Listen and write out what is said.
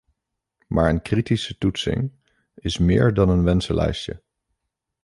Maar een kritische toetsing is meer dan een wensenlijstje.